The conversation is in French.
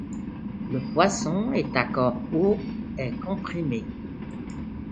Le poisson est à corps haut et comprimé.